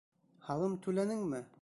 Һалым түләнеңме?